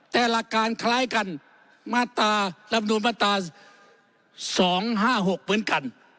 แต่หลักการคล้ายกันมาตรารับนูลมาตรา๒๕๖เหมือนกัน